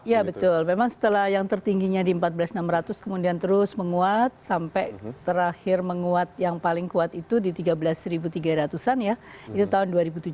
ya betul memang setelah yang tertingginya di empat belas enam ratus kemudian terus menguat sampai terakhir menguat yang paling kuat itu di tiga belas tiga ratus an ya itu tahun dua ribu tujuh belas